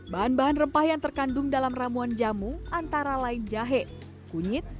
bahan bahan rempah yang terkandung dalam ramuan jamu antara lain jahe kunyit